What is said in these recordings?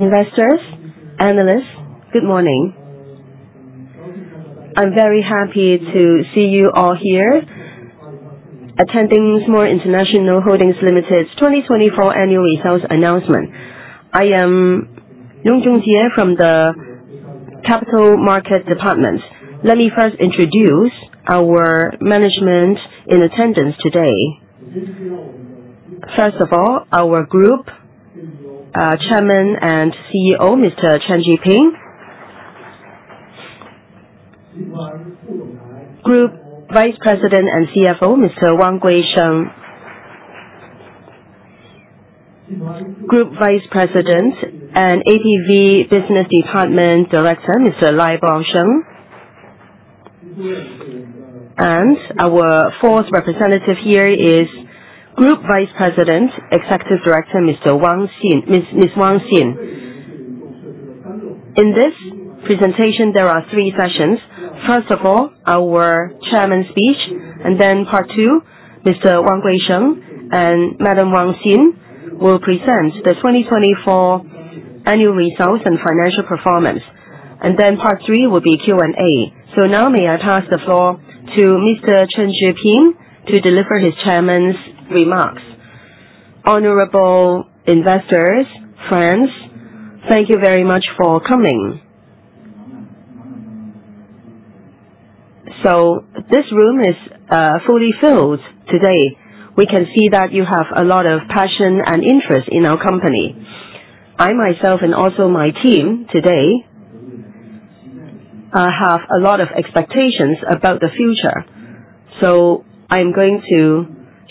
Investors, analysts, good morning. I'm very happy to see you all here attending Smoore International Holdings Limited's 2024 annual results announcement. I am Nung Joong Jie from the Capital Markets Department. Let me first introduce our management in attendance today. First of all, our Group Chairman and CEO, Mr. Chen Zhiping; Group Vice President and CFO, Mr. Wang Gui Sheng; Group Vice President and APV Business Department Director, Mr. Lai Baosheng; and our fourth representative here is Group Vice President, Executive Director, Ms. Wang Xin. In this presentation, there are three sessions. First of all, our Chairman speech, and then part two, Mr. Wang Gui Sheng and Madam Wang Xin will present the 2024 annual results and financial performance. Part three will be Q&A. Now, may I pass the floor to Mr. Chen Zhiping to deliver his Chairman's remarks? Honorable investors, friends, thank you very much for coming. This room is fully filled today. We can see that you have a lot of passion and interest in our company. I, myself, and also my team today have a lot of expectations about the future. I am going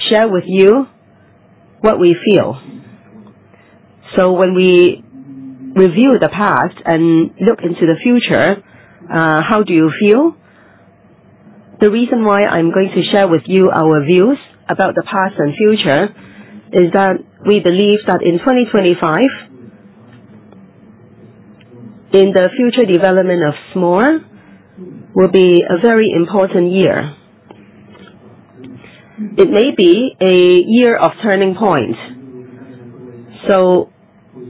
to share with you what we feel. When we review the past and look into the future, how do you feel? The reason why I am going to share with you our views about the past and future is that we believe that in 2025, the future development of Smoore will be a very important year. It may be a year of turning point.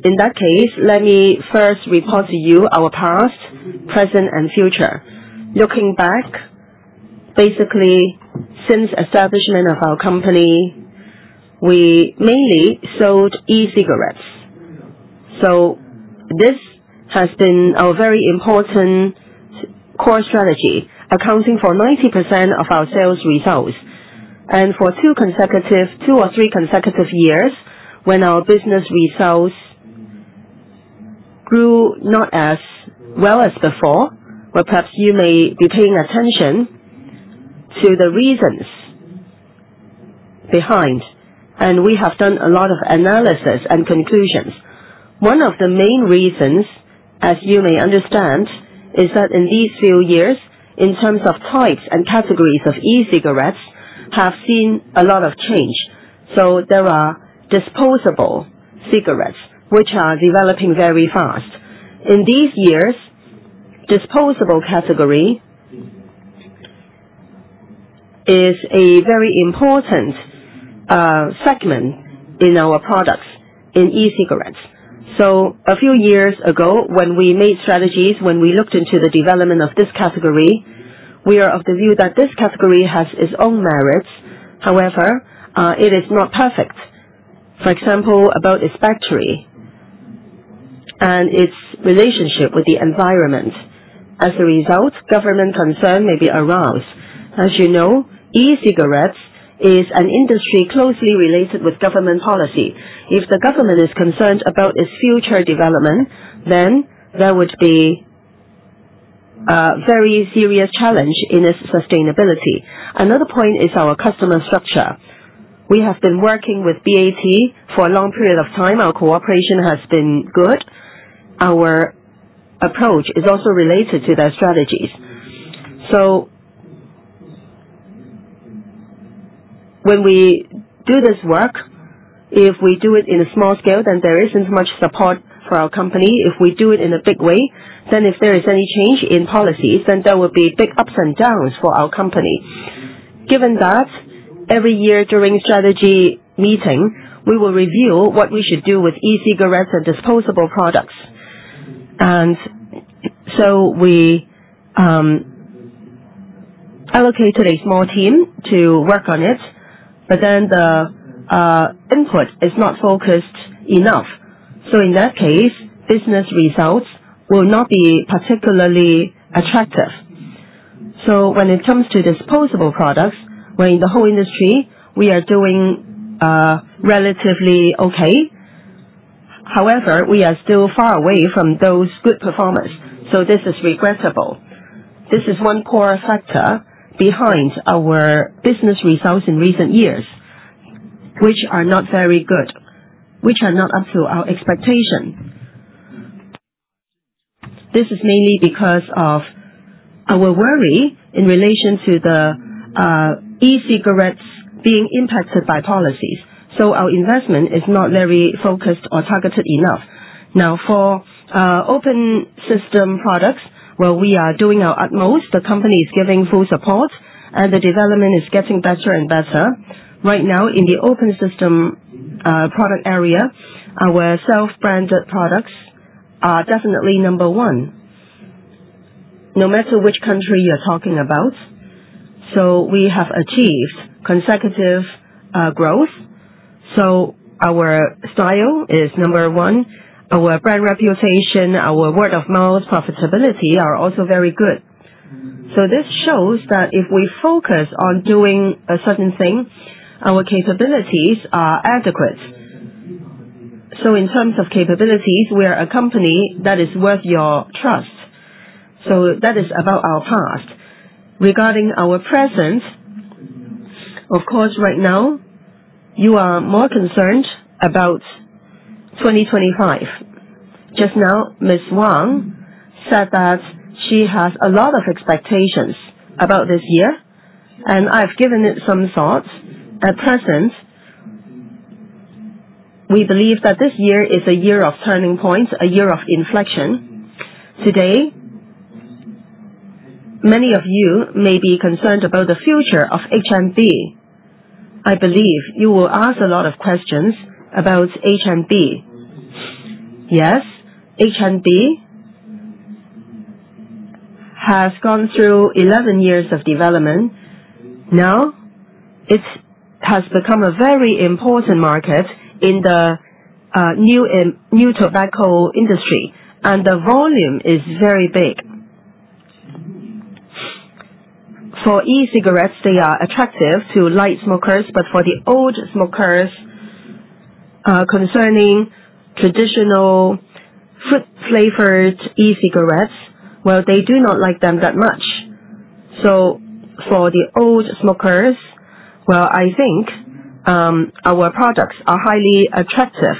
In that case, let me first report to you our past, present, and future. Looking back, basically, since the establishment of our company, we mainly sold e-cigarettes. This has been our very important core strategy, accounting for 90% of our sales results. For two or three consecutive years, when our business results grew not as well as before, perhaps you may be paying attention to the reasons behind. We have done a lot of analysis and conclusions. One of the main reasons, as you may understand, is that in these few years, in terms of types and categories of e-cigarettes, we have seen a lot of change. There are disposable cigarettes, which are developing very fast. In these years, the disposable category is a very important segment in our products, in e-cigarettes. A few years ago, when we made strategies, when we looked into the development of this category, we are of the view that this category has its own merits. However, it is not perfect. For example, about its factory and its relationship with the environment. As a result, government concern may be aroused. As you know, e-cigarettes is an industry closely related with government policy. If the government is concerned about its future development, then there would be a very serious challenge in its sustainability. Another point is our customer structure. We have been working with BAT for a long period of time. Our cooperation has been good. Our approach is also related to their strategies. When we do this work, if we do it in a small scale, then there is not much support for our company. If we do it in a big way, if there is any change in policies, then there will be big ups and downs for our company. Given that, every year during strategy meeting, we will review what we should do with e-cigarettes and disposable products. We allocate a small team to work on it, but then the input is not focused enough. In that case, business results will not be particularly attractive. When it comes to disposable products, where in the whole industry we are doing relatively okay, however, we are still far away from those good performers. This is regrettable. This is one core factor behind our business results in recent years, which are not very good, which are not up to our expectation. This is mainly because of our worry in relation to the e-cigarettes being impacted by policies. Our investment is not very focused or targeted enough. Now, for open-system products, where we are doing our utmost, the company is giving full support, and the development is getting better and better. Right now, in the open-system product area, our self-branded products are definitely number one, no matter which country you're talking about. We have achieved consecutive growth. Our style is number one. Our brand reputation, our word-of-mouth, profitability are also very good. This shows that if we focus on doing a certain thing, our capabilities are adequate. In terms of capabilities, we are a company that is worth your trust. That is about our past. Regarding our present, of course, right now, you are more concerned about 2025. Just now, Ms. Wang said that she has a lot of expectations about this year, and I've given it some thought. At present, we believe that this year is a year of turning points, a year of inflection. Today, many of you may be concerned about the future of HNB. I believe you will ask a lot of questions about HNB. Yes, HNB has gone through 11 years of development. Now, it has become a very important market in the new tobacco industry, and the volume is very big. For e-cigarettes, they are attractive to light smokers, but for the old smokers concerning traditional fruit-flavored e-cigarettes, they do not like them that much. For the old smokers, I think our products are highly attractive.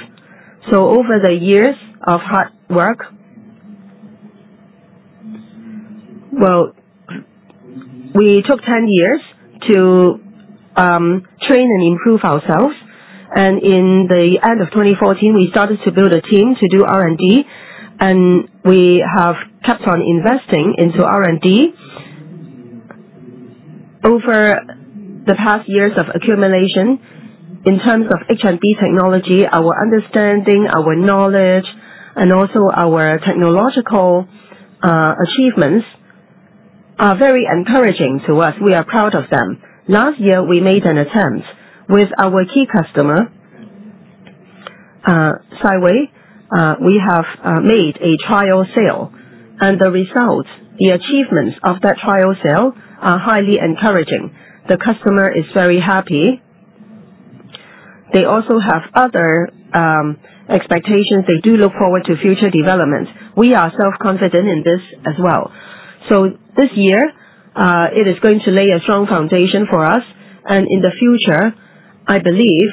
Over the years of hard work, we took 10 years to train and improve ourselves. In the end of 2014, we started to build a team to do R&D, and we have kept on investing into R&D. Over the past years of accumulation, in terms of HNB technology, our understanding, our knowledge, and also our technological achievements are very encouraging to us. We are proud of them. Last year, we made an attempt with our key customer, Skyway. We have made a trial sale, and the results, the achievements of that trial sale are highly encouraging. The customer is very happy. They also have other expectations. They do look forward to future development. We are self-confident in this as well. This year, it is going to lay a strong foundation for us, and in the future, I believe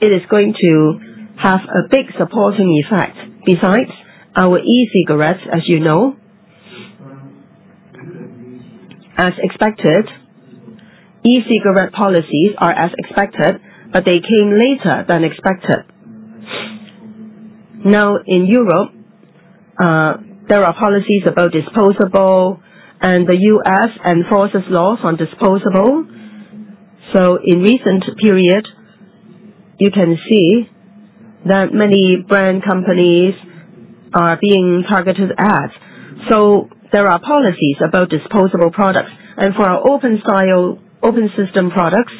it is going to have a big supporting effect. Besides our e-cigarettes, as you know, as expected, e-cigarette policies are as expected, but they came later than expected. Now, in Europe, there are policies about disposable, and the US enforces laws on disposable. In recent period, you can see that many brand companies are being targeted at. There are policies about disposable products. For our open-system products,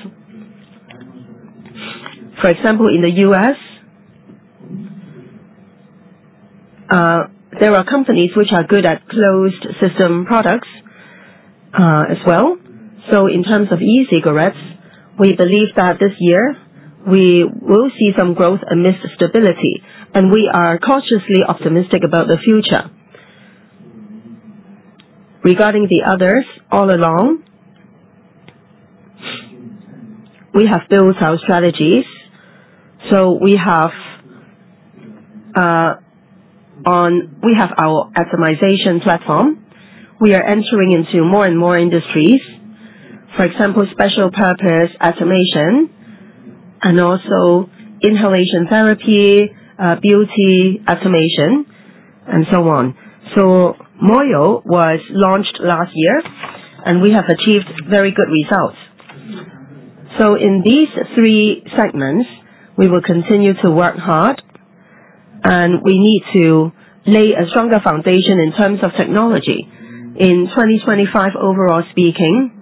for example, in the US, there are companies which are good at closed-system products as well. In terms of e-cigarettes, we believe that this year, we will see some growth amidst stability, and we are cautiously optimistic about the future. Regarding the others, all along, we have built our strategies. We have our atomization platform. We are entering into more and more industries, for example, special purpose atomization, and also inhalation therapy, beauty atomization, and so on. Moyo was launched last year, and we have achieved very good results. In these three segments, we will continue to work hard, and we need to lay a stronger foundation in terms of technology. In 2025, overall speaking,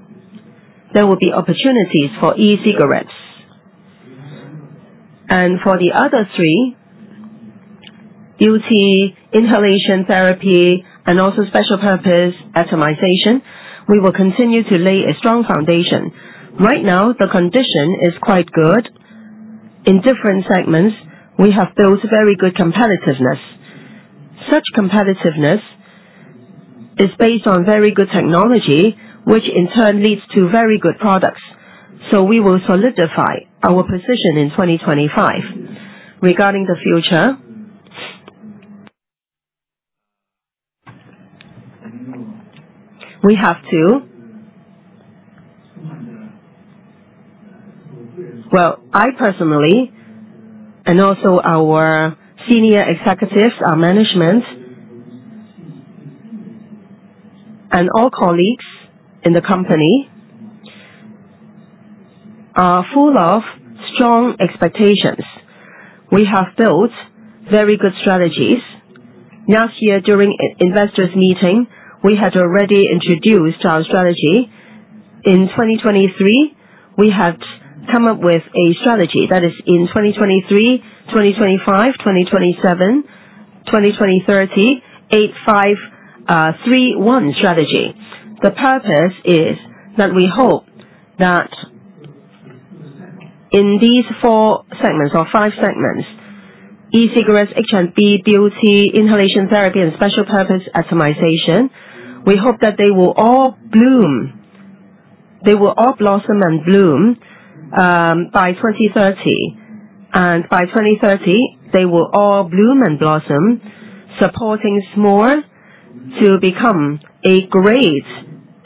there will be opportunities for e-cigarettes. For the other three, beauty, inhalation therapy, and also special purpose atomization, we will continue to lay a strong foundation. Right now, the condition is quite good. In different segments, we have built very good competitiveness. Such competitiveness is based on very good technology, which in turn leads to very good products. We will solidify our position in 2025. Regarding the future, I personally and also our senior executives, our management, and all colleagues in the company are full of strong expectations. We have built very good strategies. Last year, during investors' meeting, we had already introduced our strategy. In 2023, we had come up with a strategy that is in 2023, 2025, 2027, 2030, 8531 strategy. The purpose is that we hope that in these four segments or five segments, e-cigarettes, HNB, beauty, inhalation therapy, and special purpose atomization, we hope that they will all bloom. They will all blossom and bloom by 2030. By 2030, they will all bloom and blossom, supporting Smoore to become a great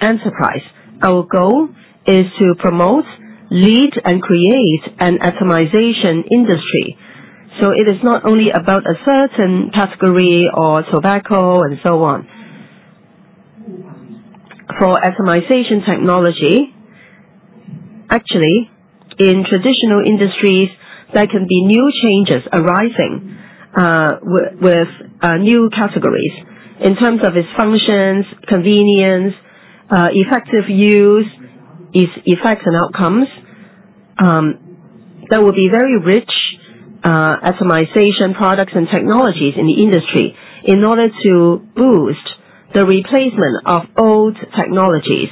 enterprise. Our goal is to promote, lead, and create an atomization industry. It is not only about a certain category or tobacco and so on. For atomization technology, actually, in traditional industries, there can be new changes arising with new categories. In terms of its functions, convenience, effective use, its effects and outcomes, there will be very rich atomization products and technologies in the industry in order to boost the replacement of old technologies.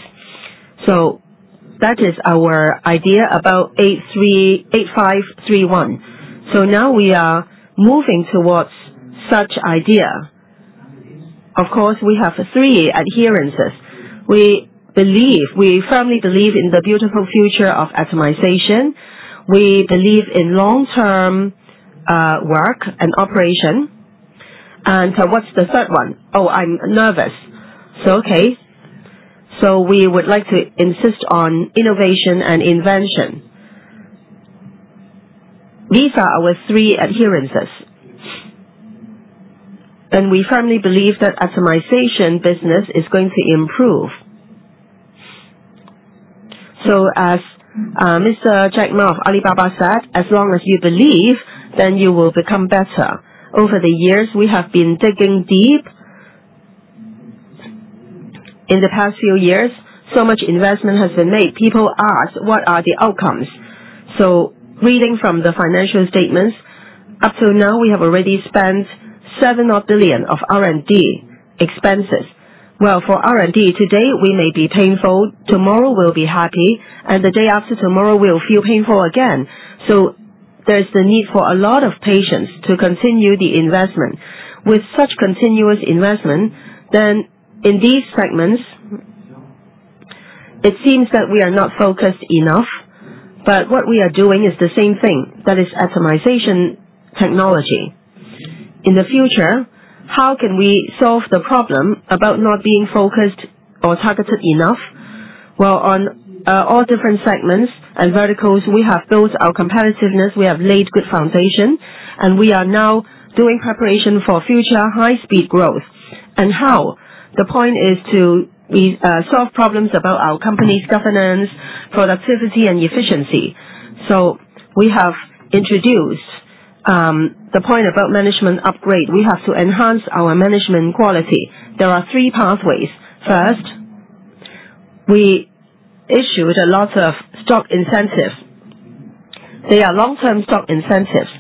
That is our idea about 8531. Now we are moving towards such idea. Of course, we have three adherences. We firmly believe in the beautiful future of atomization. We believe in long-term work and operation. What's the third one? Oh, I'm nervous. Okay. We would like to insist on innovation and invention. These are our three adherences. We firmly believe that atomization business is going to improve. As Mr. Jack Ma of Alibaba said, as long as you believe, then you will become better. Over the years, we have been digging deep. In the past few years, so much investment has been made. People ask, what are the outcomes? Reading from the financial statements, up till now, we have already spent 7 billion of R&D expenses. For R&D, today we may be painful, tomorrow we'll be happy, and the day after tomorrow we'll feel painful again. There is the need for a lot of patience to continue the investment. With such continuous investment, in these segments, it seems that we are not focused enough, but what we are doing is the same thing. That is atomization technology. In the future, how can we solve the problem about not being focused or targeted enough? On all different segments and verticals, we have built our competitiveness. We have laid good foundation, and we are now doing preparation for future high-speed growth. How? The point is to solve problems about our company's governance, productivity, and efficiency. We have introduced the point about management upgrade. We have to enhance our management quality. There are three pathways. First, we issued a lot of stock incentives. They are long-term stock incentives,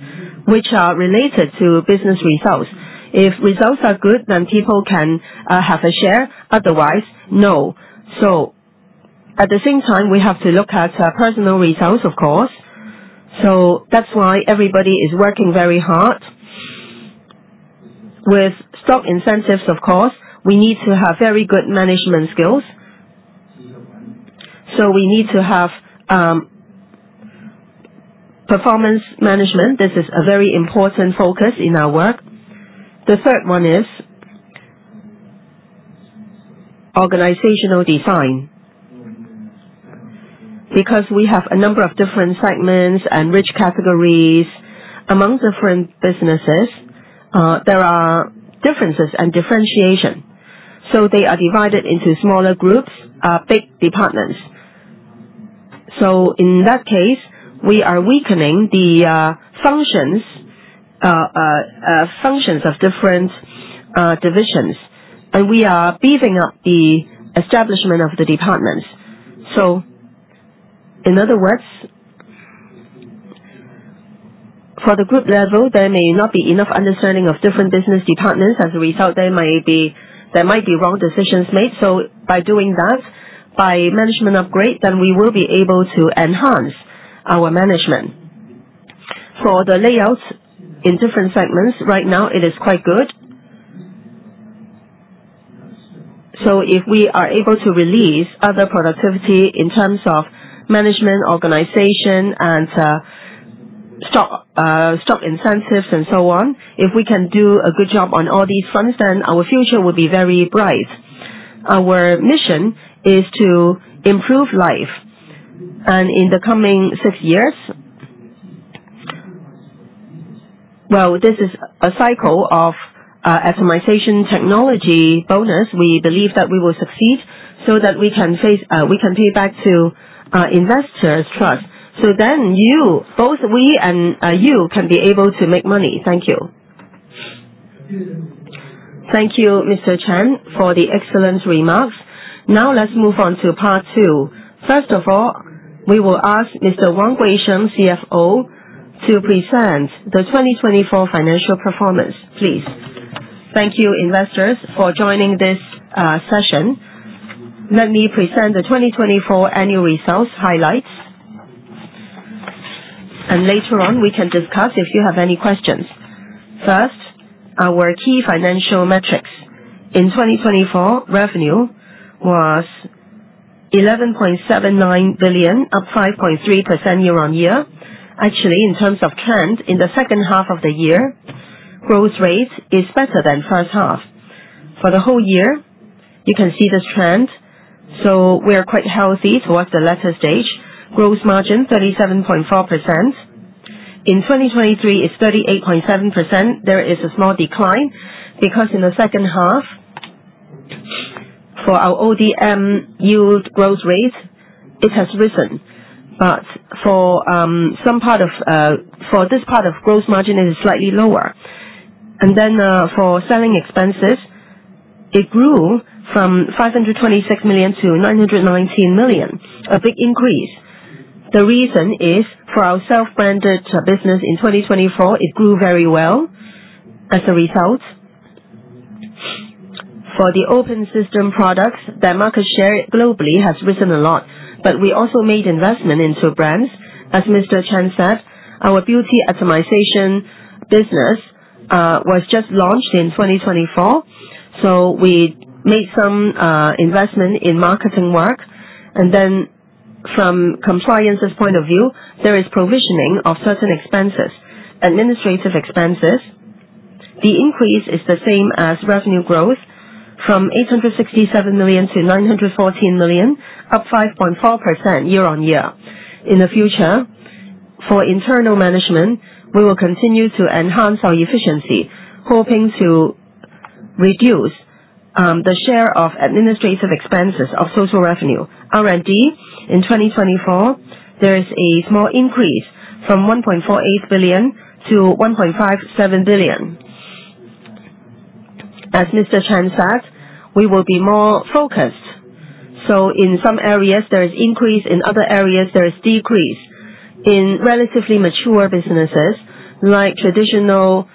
which are related to business results. If results are good, then people can have a share. Otherwise, no. At the same time, we have to look at personal results, of course. That's why everybody is working very hard. With stock incentives, we need to have very good management skills. We need to have performance management. This is a very important focus in our work. The third one is organizational design. Because we have a number of different segments and rich categories among different businesses, there are differences and differentiation. They are divided into smaller groups, big departments. In that case, we are weakening the functions of different divisions, and we are beefing up the establishment of the departments. In other words, for the group level, there may not be enough understanding of different business departments. As a result, there might be wrong decisions made. By doing that, by management upgrade, we will be able to enhance our management. For the layout in different segments, right now, it is quite good. If we are able to release other productivity in terms of management, organization, and stock incentives and so on, if we can do a good job on all these fronts, our future will be very bright. Our mission is to improve life. In the coming six years, this is a cycle of atomization technology bonus. We believe that we will succeed so that we can pay back to investors' trust. Then both we and you can be able to make money. Thank you. Thank you, Mr. Chen, for the excellent remarks. Now let's move on to part two. First of all, we will ask Mr. Wang Gui Sheng, CFO, to present the 2024 financial performance, please. Thank you, investors, for joining this session. Let me present the 2024 annual results highlights. Later on, we can discuss if you have any questions. First, our key financial metrics. In 2024, revenue was 11.79 billion, up 5.3% year-on-year. Actually, in terms of trend, in the second half of the year, growth rate is better than first half. For the whole year, you can see this trend. We are quite healthy towards the latter stage. Gross margin 37.4%. In 2023, it is 38.7%. There is a small decline because in the second half, for our ODM yield growth rate, it has risen. For this part of gross margin, it is slightly lower. For selling expenses, it grew from 526 million to 919 million, a big increase. The reason is for our self-branded business. In 2024, it grew very well as a result. For the open-system products, their market share globally has risen a lot. We also made investment into brands. As Mr. Chen said, our beauty atomization business was just launched in 2024. We made some investment in marketing work. From compliance's point of view, there is provisioning of certain expenses, administrative expenses. The increase is the same as revenue growth from 867 million to 914 million, up 5.4% year-on-year. In the future, for internal management, we will continue to enhance our efficiency, hoping to reduce the share of administrative expenses of social revenue. R&D, in 2024, there is a small increase from 1.48 billion to 1.57 billion. As Mr. Chen said, we will be more focused. In some areas, there is increase. In other areas, there is decrease. In relatively mature businesses like traditional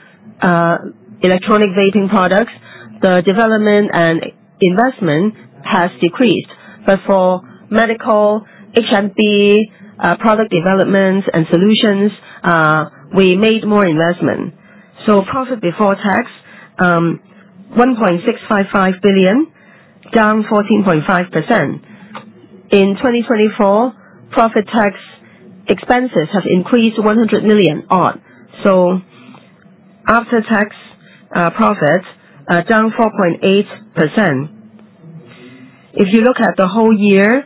electronic vaping products, the development and investment has decreased. For medical, HNB, product developments, and solutions, we made more investment. Profit before tax, 1.655 billion, down 14.5%. In 2024, profit tax expenses have increased 100 million odd. After-tax profit, down 4.8%. If you look at the whole year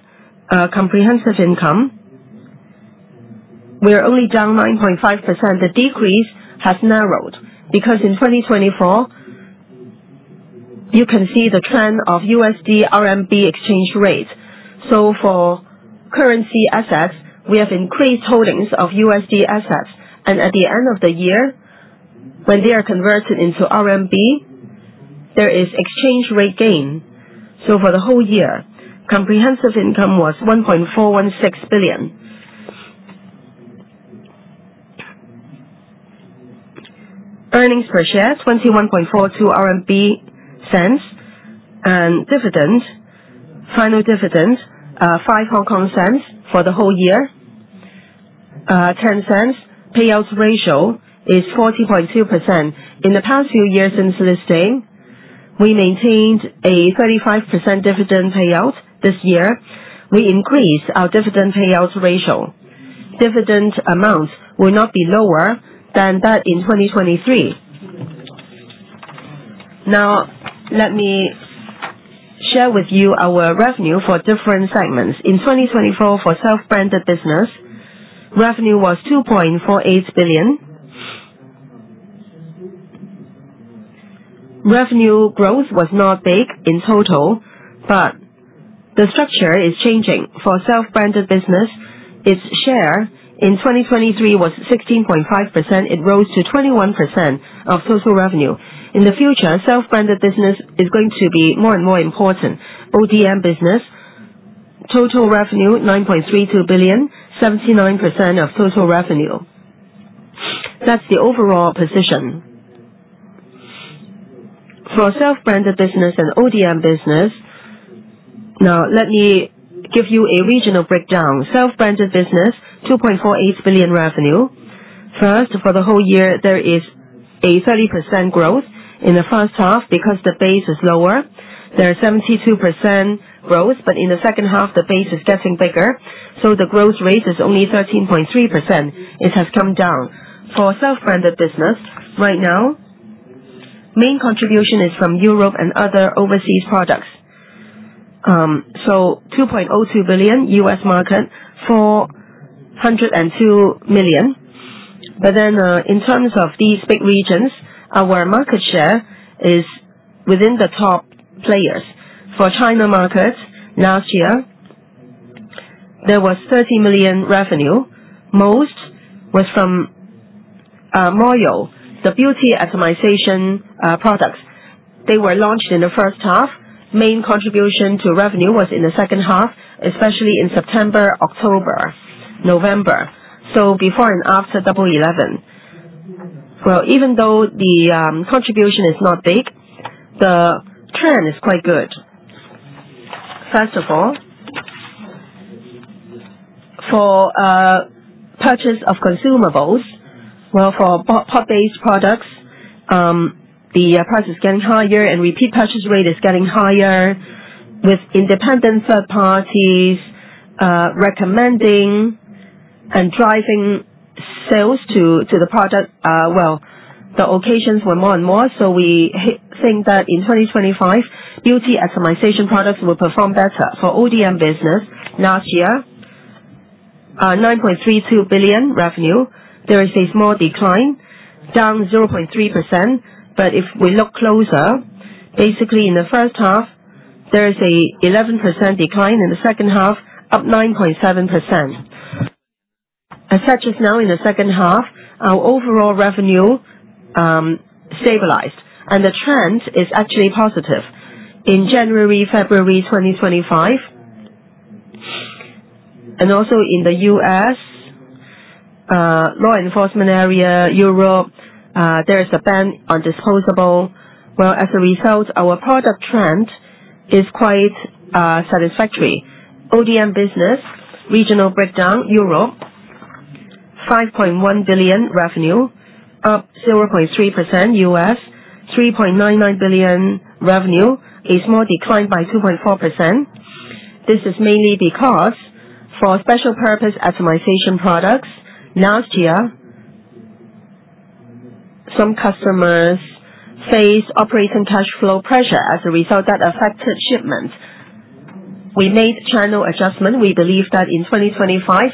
comprehensive income, we're only down 9.5%. The decrease has narrowed because in 2024, you can see the trend of USD RMB exchange rate. For currency assets, we have increased holdings of USD assets. At the end of the year, when they are converted into RMB, there is exchange rate gain. For the whole year, comprehensive income was 1.416 billion. Earnings per share, 0.2142. Final dividend, 0.05. For the whole year, 0.10. Payout ratio is 40.2%. In the past few years since listing, we maintained a 35% dividend payout. This year, we increased our dividend payout ratio. Dividend amount will not be lower than that in 2023. Now, let me share with you our revenue for different segments. In 2024, for self-branded business, revenue was RMB 2.48 billion. Revenue growth was not big in total, but the structure is changing. For self-branded business, its share in 2023 was 16.5%. It rose to 21% of total revenue. In the future, self-branded business is going to be more and more important. ODM business, total revenue, 9.32 billion, 79% of total revenue. That's the overall position. For self-branded business and ODM business, now let me give you a regional breakdown. Self-branded business, 2.48 billion revenue. First, for the whole year, there is a 30% growth in the first half because the base is lower. There is 72% growth, but in the second half, the base is getting bigger. The growth rate is only 13.3%. It has come down. For self-branded business, right now, main contribution is from Europe and other overseas products. 2.02 billion, US market, $402 million. In terms of these big regions, our market share is within the top players. For China market, last year, there was 30 million revenue. Most was from Moyo, the beauty atomization products. They were launched in the first half. Main contribution to revenue was in the second half, especially in September, October, November. Before and after double 11, even though the contribution is not big, the trend is quite good. First of all, for purchase of consumables, for pod-based products, the price is getting higher and repeat purchase rate is getting higher with independent third parties recommending and driving sales to the product. The occasions were more and more, so we think that in 2025, beauty atomization products will perform better. For ODM business, last year, 9.32 billion revenue. There is a small decline, down 0.3%. If we look closer, basically in the first half, there is an 11% decline. In the second half, up 9.7%. As such, in the second half, our overall revenue stabilized. The trend is actually positive. In January, February 2025, and also in the U.S. law enforcement area, Europe, there is a ban on disposable. As a result, our product trend is quite satisfactory. ODM business, regional breakdown, Europe, 5.1 billion revenue, up 0.3%. U.S., 3.99 billion revenue, a small decline by 2.4%. This is mainly because for special purpose atomization products, last year, some customers faced operating cash flow pressure. As a result, that affected shipment. We made channel adjustment. We believe that in 2025,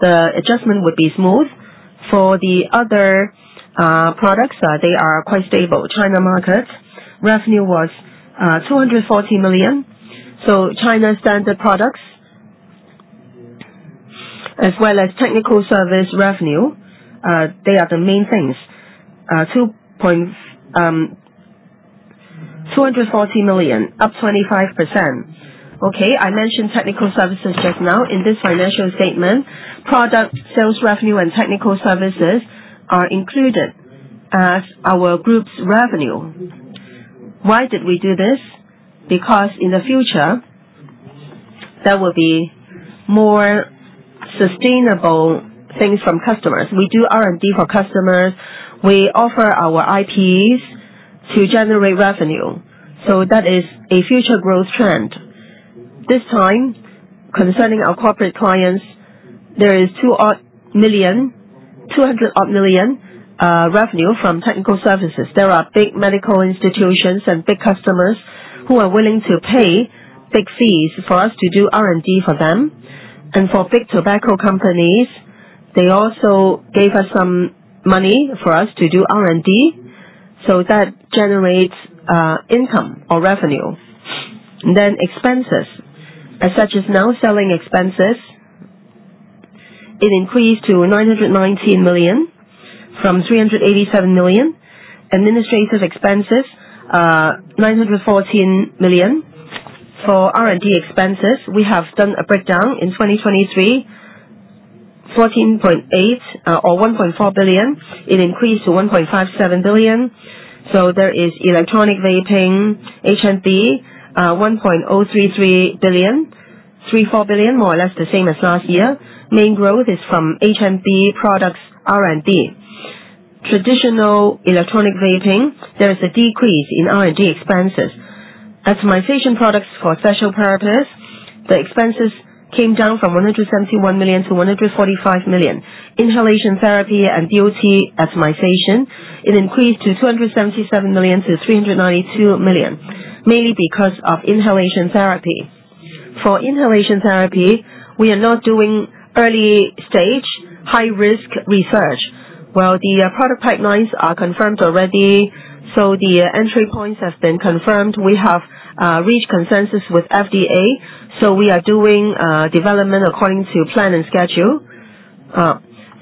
the adjustment would be smooth. For the other products, they are quite stable. China market, revenue was 240 million. China standard products as well as technical service revenue, they are the main things. 240 million, up 25%. I mentioned technical services just now. In this financial statement, product sales revenue and technical services are included as our group's revenue. Why did we do this? Because in the future, there will be more sustainable things from customers. We do R&D for customers. We offer our IPs to generate revenue. That is a future growth trend. This time, concerning our corporate clients, there is 200 million revenue from technical services. There are big medical institutions and big customers who are willing to pay big fees for us to do R&D for them. For big tobacco companies, they also gave us some money for us to do R&D. That generates income or revenue. Expenses, such as now selling expenses, increased to 919 million from 387 million. Administrative expenses, 914 million. For R&D expenses, we have done a breakdown. In 2023, 1.48 billion or 1.4 billion. It increased to 1.57 billion. There is electronic vaping, HNB, 1.033 billion, 1.34 billion, more or less the same as last year. Main growth is from HNB products R&D. Traditional electronic vaping, there is a decrease in R&D expenses. Atomization products for special purpose, the expenses came down from 171 million to 145 million. Inhalation therapy and DOT atomization, it increased from 277 million to 392 million, mainly because of inhalation therapy. For inhalation therapy, we are not doing early-stage high-risk research. The product pipelines are confirmed already, so the entry points have been confirmed. We have reached consensus with FDA, so we are doing development according to plan and schedule.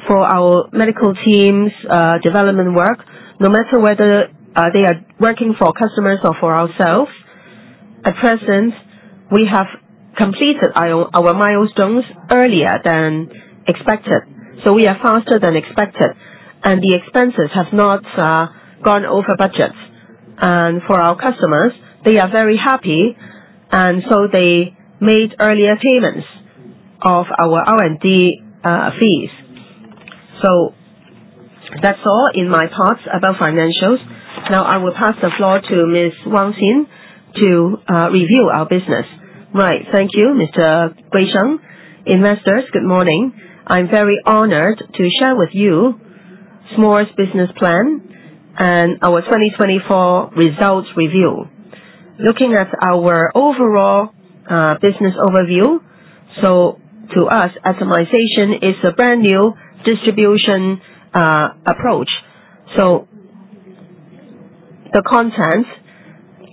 For our medical teams' development work, no matter whether they are working for customers or for ourselves, at present, we have completed our milestones earlier than expected. We are faster than expected. The expenses have not gone over budgets. For our customers, they are very happy, and they made earlier payments of our R&D fees. That is all in my parts about financials. Now, I will pass the floor to Ms. Wang Xin to review our business. Right. Thank you, Mr. Guisheng. Investors, good morning. I am very honored to share with you Smoore's business plan and our 2024 results review. Looking at our overall business overview, to us, atomization is a brand new distribution approach. The contents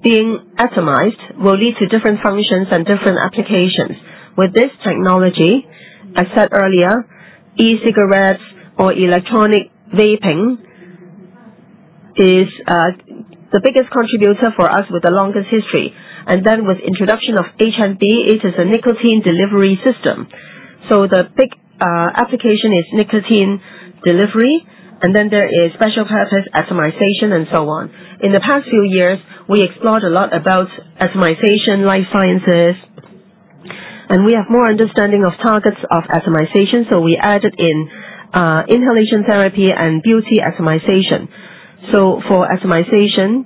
being atomized will lead to different functions and different applications. With this technology, as I said earlier, e-cigarettes or electronic vaping is the biggest contributor for us with the longest history. With the introduction of HNB, it is a nicotine delivery system. The big application is nicotine delivery, and then there is special purpose atomization and so on. In the past few years, we explored a lot about atomization, life sciences, and we have more understanding of targets of atomization. We added in inhalation therapy and beauty atomization. For atomization,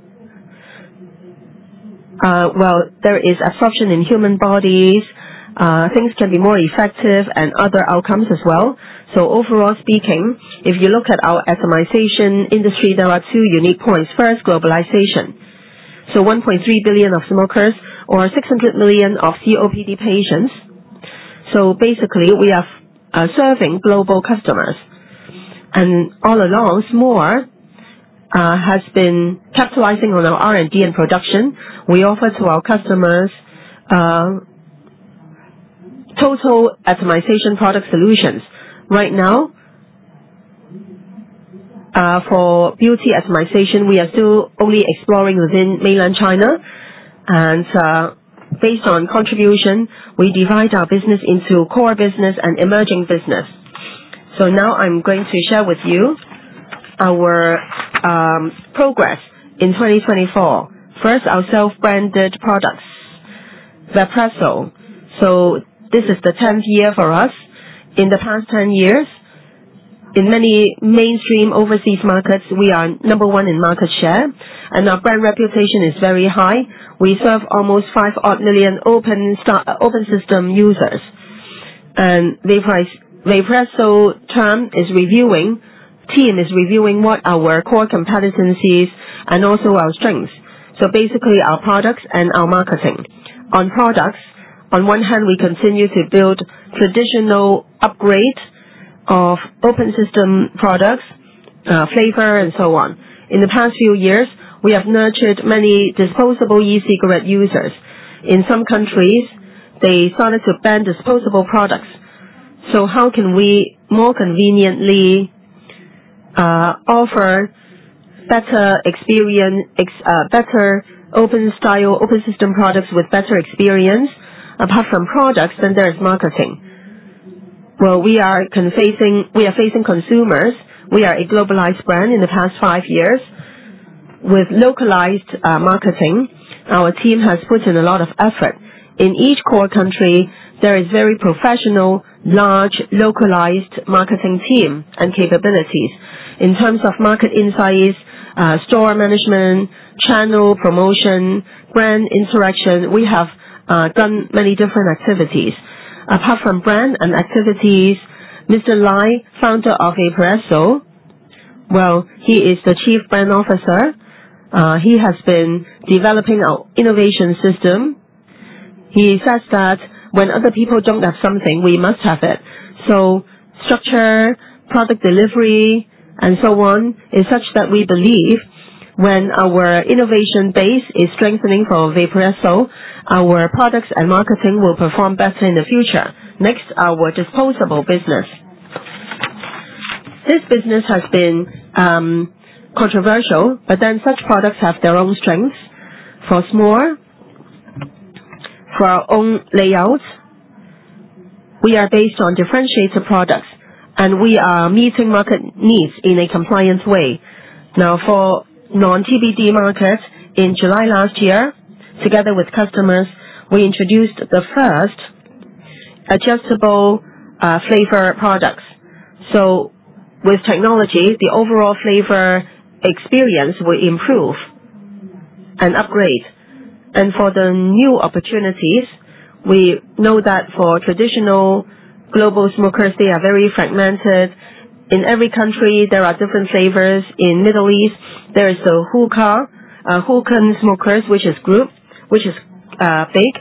there is absorption in human bodies. Things can be more effective and other outcomes as well. Overall speaking, if you look at our atomization industry, there are two unique points. First, globalization. 1.3 billion smokers or 600 million COPD patients. Basically, we are serving global customers. All along, Smoore has been capitalizing on our R&D and production. We offer to our customers total atomization product solutions. Right now, for beauty atomization, we are still only exploring within mainland China. Based on contribution, we divide our business into core business and emerging business. Now I'm going to share with you our progress in 2024. First, our self-branded products, Vaporesso. This is the 10th year for us. In the past 10 years, in many mainstream overseas markets, we are number one in market share. Our brand reputation is very high. We serve almost 5 million open system users. Vaporesso team is reviewing what our core competencies and also our strengths. Basically, our products and our marketing. On products, on one hand, we continue to build traditional upgrade of open system products, flavor, and so on. In the past few years, we have nurtured many disposable e-cigarette users. In some countries, they started to ban disposable products. How can we more conveniently offer better open-style open system products with better experience? Apart from products, there is marketing. We are facing consumers. We are a globalized brand in the past five years with localized marketing. Our team has put in a lot of effort. In each core country, there is very professional, large, localized marketing team and capabilities. In terms of market insights, store management, channel promotion, brand interaction, we have done many different activities. Apart from brand and activities, Mr. Lai, founder of Vaporesso, he is the Chief Brand Officer. He has been developing our innovation system. He says that when other people do not have something, we must have it. Structure, product delivery, and so on is such that we believe when our innovation base is strengthening for Vaporesso, our products and marketing will perform better in the future. Next, our disposable business. This business has been controversial, but such products have their own strengths. For Smoore, for our own layouts, we are based on differentiated products, and we are meeting market needs in a compliant way. Now, for non-TBD markets, in July last year, together with customers, we introduced the first adjustable flavor products. With technology, the overall flavor experience will improve and upgrade. For the new opportunities, we know that for traditional global smokers, they are very fragmented. In every country, there are different flavors. In the Middle East, there is the Hulkhan smokers, which is big.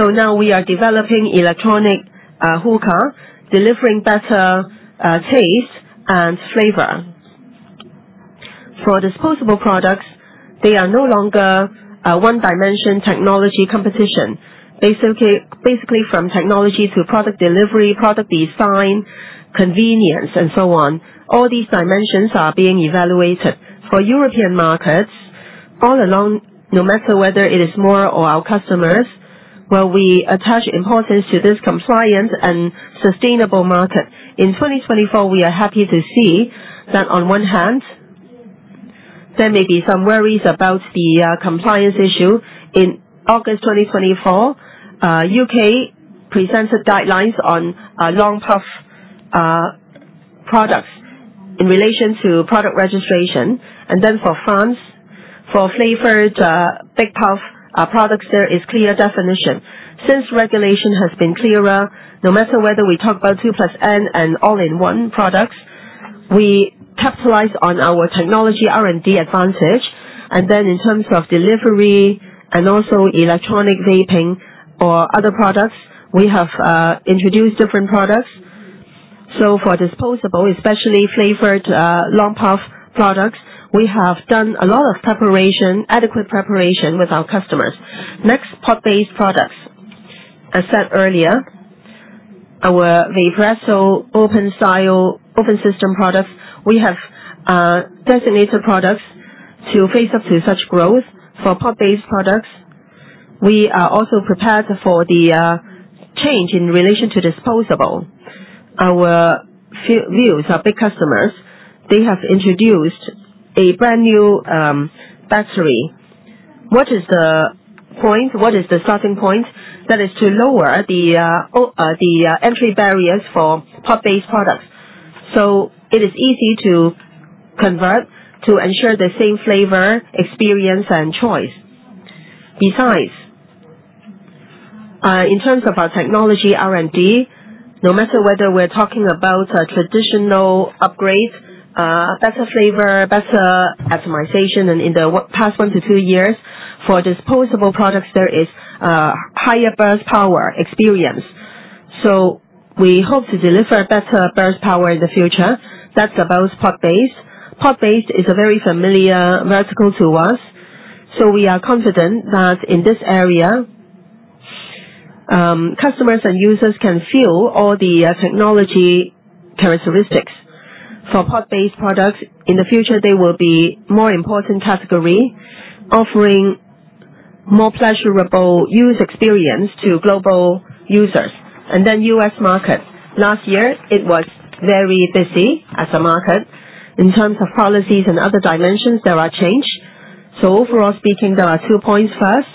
Now we are developing electronic Hulkhan, delivering better taste and flavor. For disposable products, they are no longer one-dimension technology competition. Basically, from technology to product delivery, product design, convenience, and so on, all these dimensions are being evaluated. For European markets, all along, no matter whether it is Smoore or our customers, we attach importance to this compliant and sustainable market. In 2024, we are happy to see that on one hand, there may be some worries about the compliance issue. In August 2024, the U.K. presented guidelines on long puff products in relation to product registration. For flavored big puff products, there is clear definition. Since regulation has been clearer, no matter whether we talk about 2+N and all-in-one products, we capitalize on our technology R&D advantage. In terms of delivery and also electronic vaping or other products, we have introduced different products. For disposable, especially flavored long puff products, we have done a lot of adequate preparation with our customers. Next, pod-based products. As said earlier, our Vaporesso open-system products, we have designated products to face up to such growth. For pod-based products, we are also prepared for the change in relation to disposable. Our views, our big customers, they have introduced a brand new battery. What is the starting point? That is to lower the entry barriers for pod-based products. It is easy to convert to ensure the same flavor experience and choice. Besides, in terms of our technology R&D, no matter whether we're talking about a traditional upgrade, better flavor, better atomization, and in the past one to two years, for disposable products, there is higher burst power experience. We hope to deliver better burst power in the future. That's about pod-based. Pod-based is a very familiar vertical to us. We are confident that in this area, customers and users can feel all the technology characteristics. For pod-based products, in the future, they will be a more important category, offering more pleasurable use experience to global users. The U.S. market last year was very busy as a market. In terms of policies and other dimensions, there are changes. Overall speaking, there are two points. First,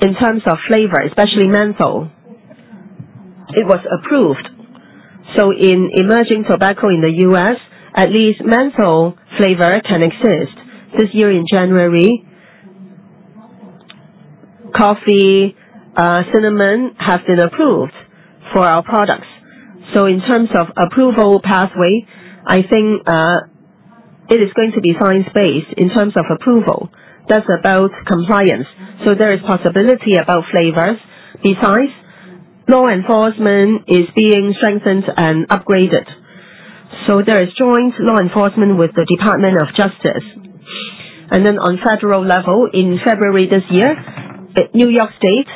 in terms of flavor, especially menthol, it was approved. In emerging tobacco in the US, at least menthol flavor can exist. This year in January, coffee, cinnamon have been approved for our products. In terms of approval pathway, I think it is going to be science-based in terms of approval. That is about compliance. There is possibility about flavors. Besides, law enforcement is being strengthened and upgraded. There is joint law enforcement with the Department of Justice. On federal level, in February this year, New York State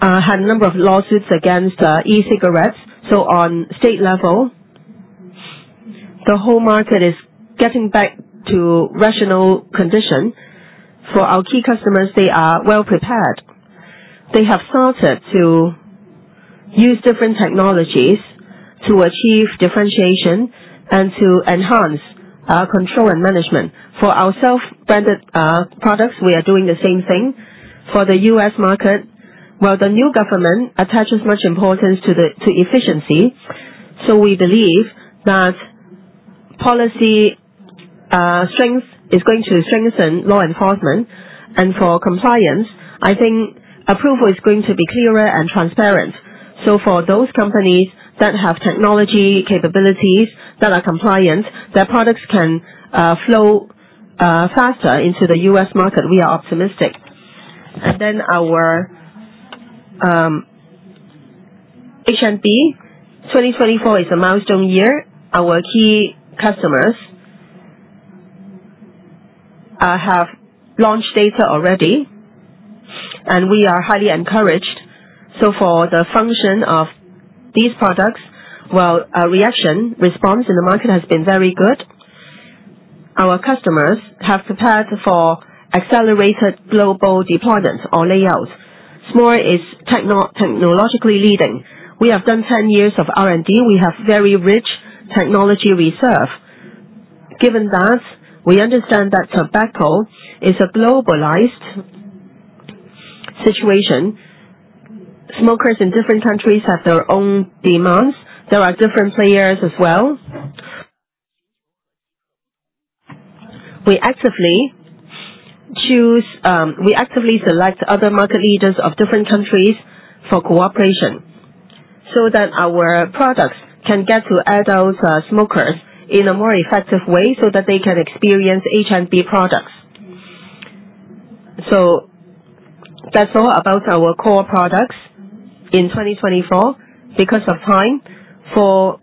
had a number of lawsuits against e-cigarettes. On state level, the whole market is getting back to rational condition. For our key customers, they are well prepared. They have started to use different technologies to achieve differentiation and to enhance control and management. For our self-branded products, we are doing the same thing. For the US market, the new government attaches much importance to efficiency. We believe that policy strength is going to strengthen law enforcement. For compliance, I think approval is going to be clearer and transparent. For those companies that have technology capabilities that are compliant, their products can flow faster into the US market. We are optimistic. Our HNB 2024 is a milestone year. Our key customers have launched data already, and we are highly encouraged. For the function of these products, reaction response in the market has been very good. Our customers have prepared for accelerated global deployments or layouts. Smoore is technologically leading. We have done 10 years of R&D. We have very rich technology reserve. Given that, we understand that tobacco is a globalized situation. Smokers in different countries have their own demands. There are different players as well. We actively select other market leaders of different countries for cooperation so that our products can get to adult smokers in a more effective way so that they can experience HNB products. That is all about our core products in 2024. Because of time, for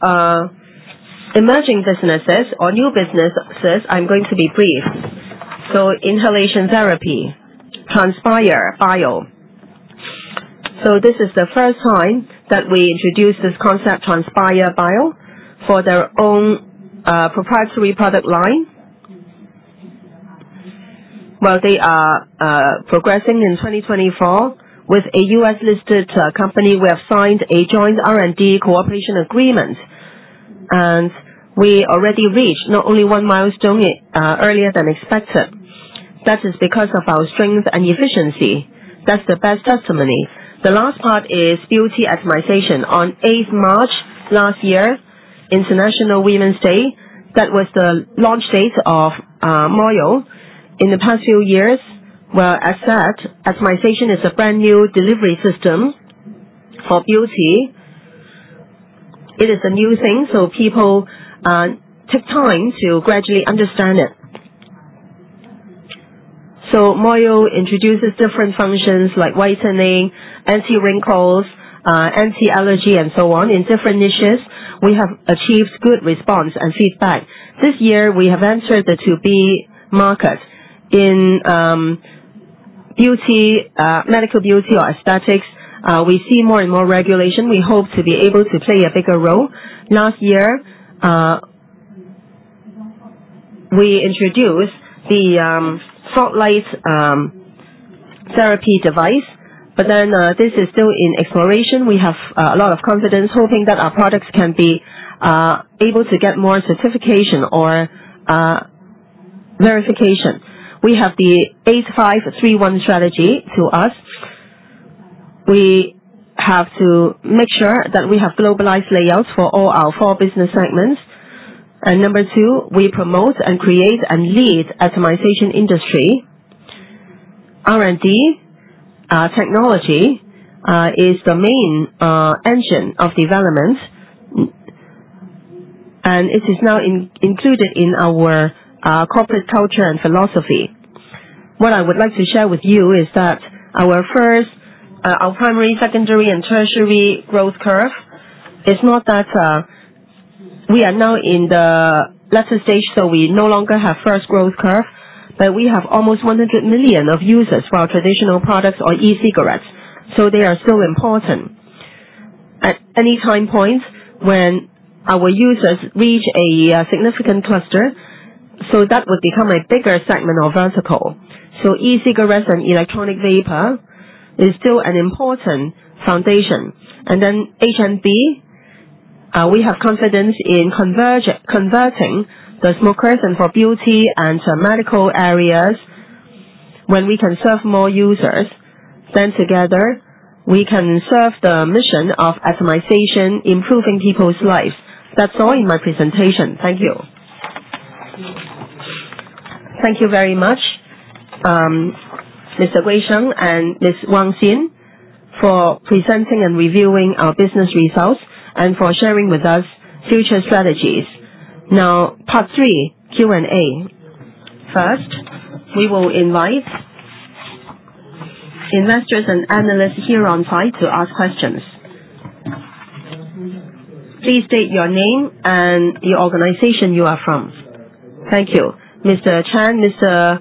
emerging businesses or new businesses, I am going to be brief. Inhalation therapy, Transpire Bio. This is the first time that we introduce this concept, Transpire Bio, for their own proprietary product line. They are progressing in 2024 with a US-listed company. We have signed a joint R&D cooperation agreement, and we already reached not only one milestone earlier than expected. That is because of our strength and efficiency. That is the best testimony. The last part is beauty atomization. On 8 March last year, International Women's Day, that was the launch date of Moyo. In the past few years, as said, atomization is a brand new delivery system for beauty. It is a new thing, so people take time to gradually understand it. Moyo introduces different functions like whitening, anti-wrinkles, anti-allergies, and so on in different niches. We have achieved good response and feedback. This year, we have entered the 2B market. In medical beauty or aesthetics, we see more and more regulation. We hope to be able to play a bigger role. Last year, we introduced the salt light therapy device, but this is still in exploration. We have a lot of confidence, hoping that our products can be able to get more certification or verification. We have the 8531 strategy to us. We have to make sure that we have globalized layouts for all our four business segments. Number two, we promote and create and lead the atomization industry. R&D technology is the main engine of development, and it is now included in our corporate culture and philosophy. What I would like to share with you is that our primary, secondary, and tertiary growth curve is not that we are now in the latter stage, so we no longer have first growth curve, but we have almost 100 million users for our traditional products or e-cigarettes. They are still important. At any time point when our users reach a significant cluster, that would become a bigger segment or vertical. E-cigarettes and electronic vapor is still an important foundation. HNB, we have confidence in converting the smokers and for beauty and medical areas when we can serve more users. Together, we can serve the mission of atomization, improving people's lives. That's all in my presentation. Thank you. Thank you very much, Mr. Wang Gui Sheng and Ms. Wang Xin, for presenting and reviewing our business results and for sharing with us future strategies. Now, part three, Q&A. First, we will invite investors and analysts here on site to ask questions. Please state your name and the organization you are from. Thank you. Mr. Chan, Mr.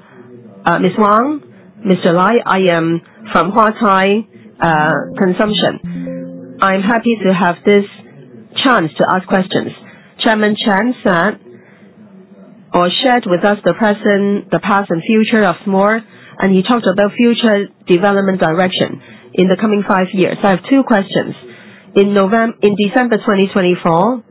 Wang, Mr. Lai, I am from Huatai Consumption. I am happy to have this chance to ask questions. Chairman Chen said or shared with us the past and future of Smoore, and he talked about future development direction in the coming five years. I have two questions. In December 2024,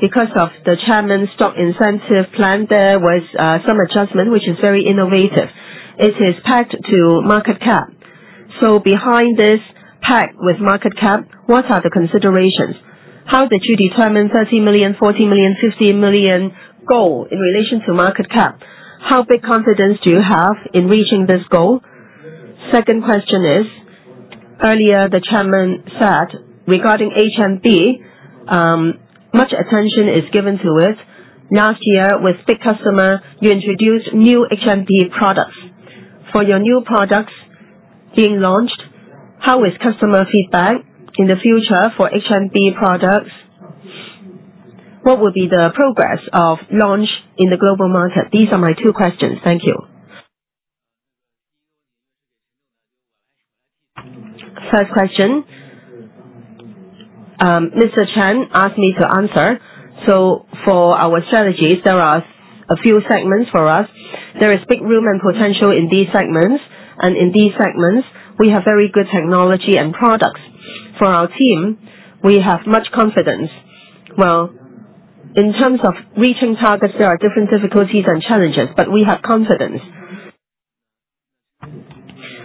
because of the chairman's stock incentive plan, there was some adjustment, which is very innovative. It is pegged to market cap. Behind this peg with market cap, what are the considerations? How did you determine 30 million, 40 million, 50 million goal in relation to market cap? How big confidence do you have in reaching this goal? Second question is, earlier, the Chairman said regarding HNB, much attention is given to it. Last year, with big customer, you introduced new HNB products. For your new products being launched, how is customer feedback in the future for HNB products? What will be the progress of launch in the global market? These are my two questions. Thank you. First question. Mr. Chen asked me to answer. For our strategies, there are a few segments for us. There is big room and potential in these segments. In these segments, we have very good technology and products. For our team, we have much confidence. In terms of reaching targets, there are different difficulties and challenges, but we have confidence.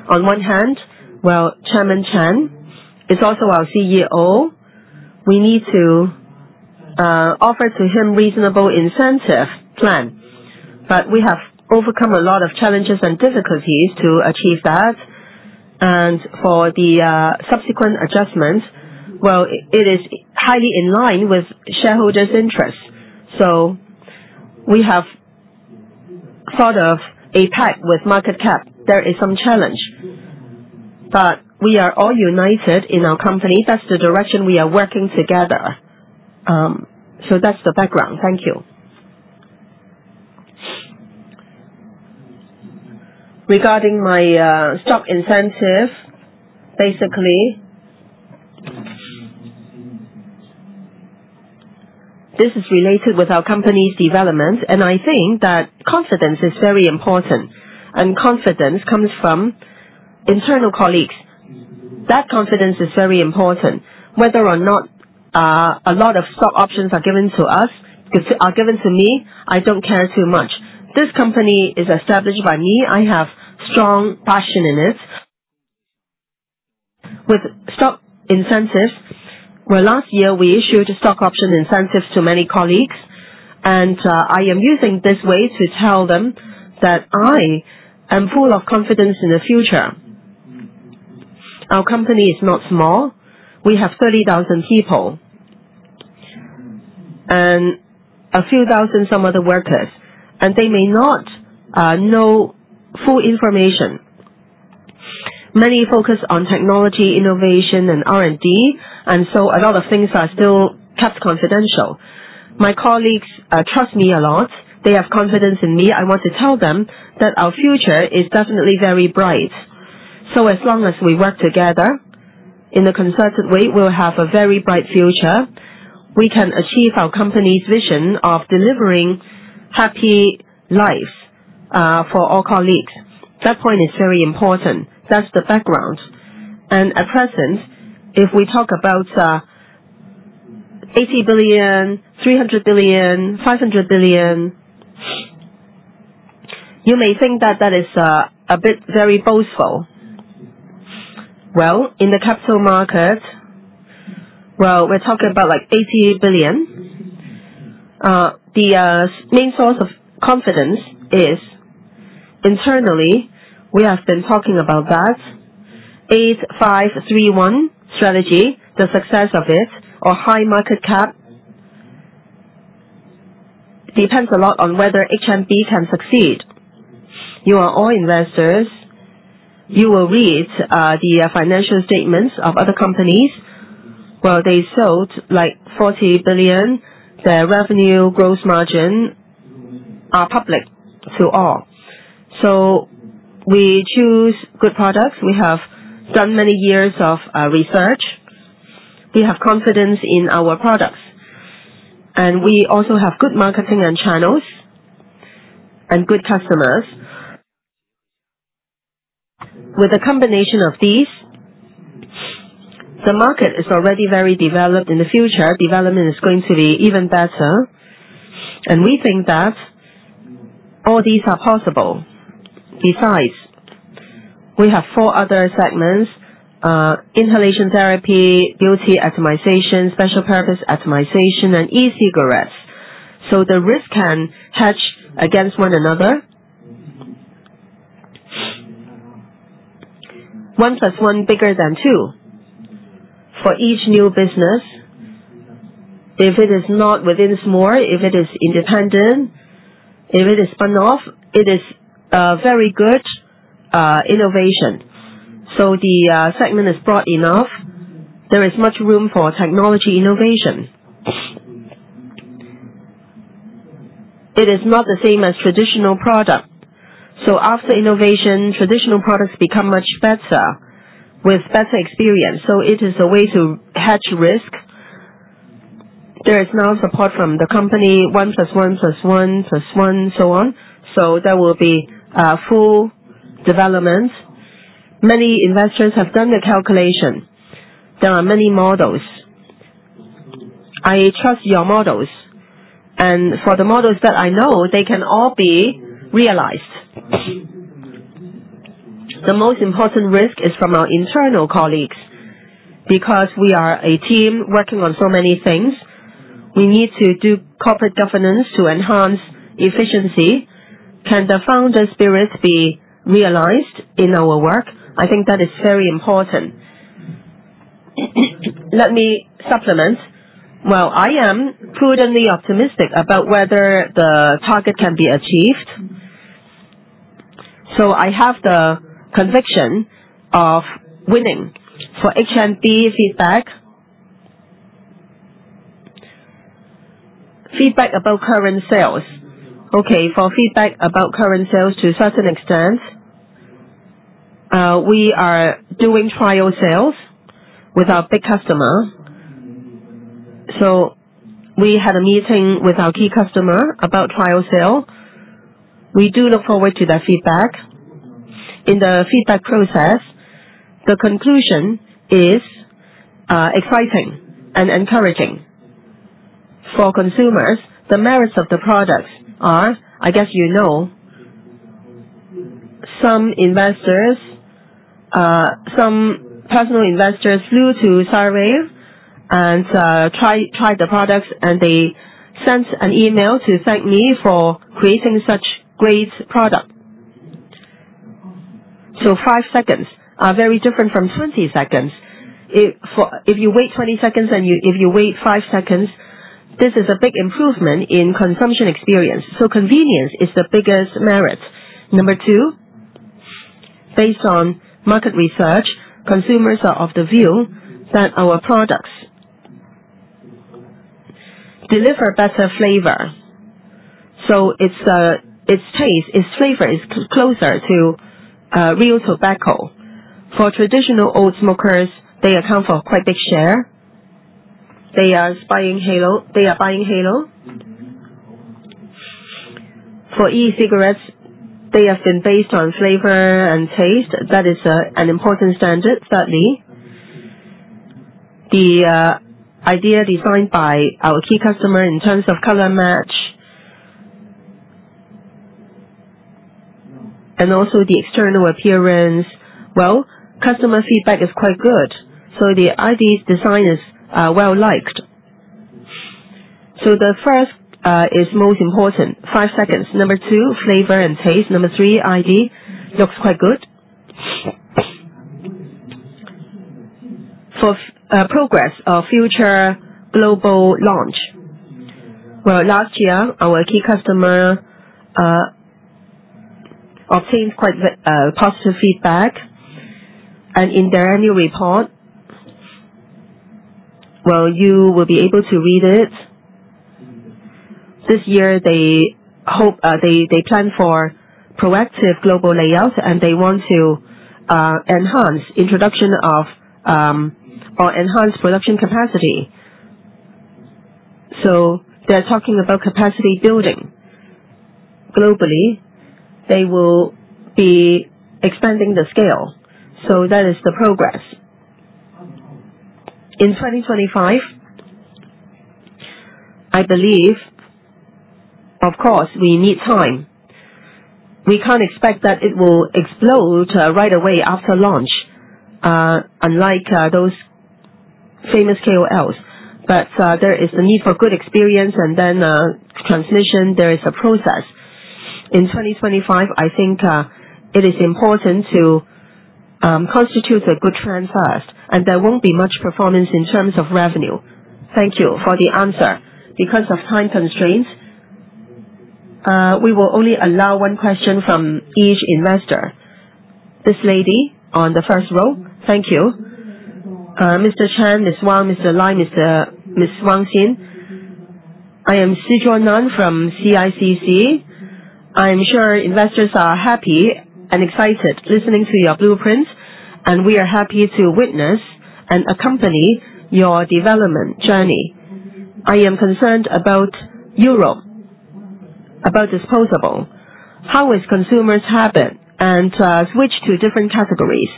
On one hand, Chairman Chen is also our CEO. We need to offer to him a reasonable incentive plan. We have overcome a lot of challenges and difficulties to achieve that. For the subsequent adjustments, it is highly in line with shareholders' interests. We have thought of a peg with market cap. There is some challenge. We are all united in our company. That is the direction we are working together. That is the background. Thank you. Regarding my stock incentive, basically, this is related with our company's development. I think that confidence is very important. Confidence comes from internal colleagues. That confidence is very important. Whether or not a lot of stock options are given to us, are given to me, I do not care too much. This company is established by me. I have strong passion in it. With stock incentives, last year, we issued stock option incentives to many colleagues. I am using this way to tell them that I am full of confidence in the future. Our company is not small. We have 30,000 people and a few thousand some other workers. They may not know full information. Many focus on technology, innovation, and R&D. A lot of things are still kept confidential. My colleagues trust me a lot. They have confidence in me. I want to tell them that our future is definitely very bright. As long as we work together in a concerted way, we will have a very bright future. We can achieve our company's vision of delivering happy lives for all colleagues. That point is very important. That is the background. At present, if we talk about 80 billion, 300 billion, 500 billion, you may think that that is a bit very boastful. In the capital market, we are talking about like 80 billion. The main source of confidence is internally. We have been talking about that 8531 strategy, the success of it or high market cap depends a lot on whether HNB can succeed. You are all investors. You will read the financial statements of other companies. They sold like 40 billion. Their revenue, gross margin are public to all. We choose good products. We have done many years of research. We have confidence in our products. We also have good marketing and channels and good customers. With the combination of these, the market is already very developed. In the future, development is going to be even better. We think that all these are possible besides. We have four other segments: inhalation therapy, beauty atomization, special purpose atomization, and e-cigarettes. The risk can hedge against one another. One plus one bigger than two for each new business. If it is not within Smoore, if it is independent, if it is spun off, it is a very good innovation. The segment is broad enough. There is much room for technology innovation. It is not the same as traditional product. After innovation, traditional products become much better with better experience. It is a way to hedge risk. There is now support from the company one plus one plus one plus one, so on. There will be full development. Many investors have done the calculation. There are many models. I trust your models. For the models that I know, they can all be realized. The most important risk is from our internal colleagues because we are a team working on so many things. We need to do corporate governance to enhance efficiency. Can the founder spirit be realized in our work? I think that is very important. Let me supplement. I am prudently optimistic about whether the target can be achieved. I have the conviction of winning for HNB feedback. Feedback about current sales. For feedback about current sales to a certain extent, we are doing trial sales with our big customer. We had a meeting with our key customer about trial sale. We do look forward to that feedback. In the feedback process, the conclusion is exciting and encouraging. For consumers, the merits of the products are, I guess you know, some investors, some personal investors flew to Saraway and tried the products, and they sent an email to thank me for creating such great product. Five seconds are very different from 20 seconds. If you wait 20 seconds and if you wait five seconds, this is a big improvement in consumption experience. Convenience is the biggest merit. Number two, based on market research, consumers are of the view that our products deliver better flavor. Its taste, its flavor is closer to real tobacco. For traditional old smokers, they account for a quite big share. They are buying Halo. For e-cigarettes, they have been based on flavor and taste. That is an important standard. Thirdly, the idea designed by our key customer in terms of color match and also the external appearance, customer feedback is quite good. The ID's design is well-liked. The first is most important. Five seconds. Number two, flavor and taste. Number three, ID looks quite good. For progress of future global launch, last year, our key customer obtained quite positive feedback. In their annual report, you will be able to read it. This year, they plan for proactive global layouts, and they want to enhance introduction of or enhance production capacity. They are talking about capacity building globally. They will be expanding the scale. That is the progress. In 2025, I believe, of course, we need time. We can't expect that it will explode right away after launch, unlike those famous KOLs. There is the need for good experience and then transmission. There is a process. In 2025, I think it is important to constitute a good trend first. There will not be much performance in terms of revenue. Thank you for the answer. Because of time constraints, we will only allow one question from each investor. This lady on the first row. Thank you. Mr. Chan, Ms. Wang, Mr. Lai, Ms. Wang Xin. I am Sijoanan from CICC. I am sure investors are happy and excited listening to your blueprints. We are happy to witness and accompany your development journey. I am concerned about Europe, about disposable. How is consumers' habit and switch to different categories?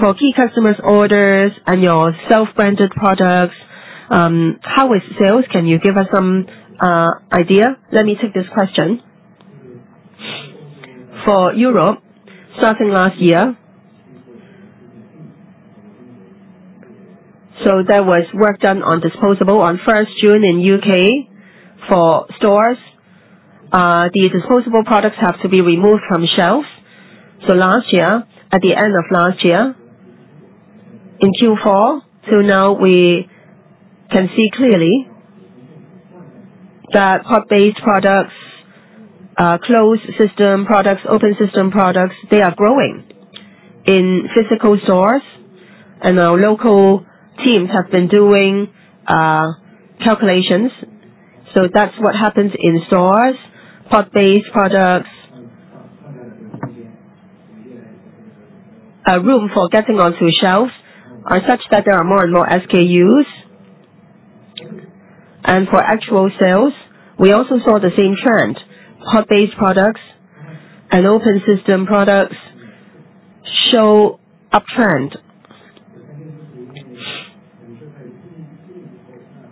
For key customers' orders and your self-branded products, how is sales? Can you give us some idea? Let me take this question. For Europe, starting last year, there was work done on disposable on 1st June in U.K. for stores. The disposable products have to be removed from shelves. Last year, at the end of last year, in Q4, now we can see clearly that hot-based products, closed system products, open system products, they are growing in physical stores. Our local teams have been doing calculations. That is what happens in stores. Hot-based products, room for getting onto shelves are such that there are more and more SKUs. For actual sales, we also saw the same trend. Hot-based products and open system products show uptrend.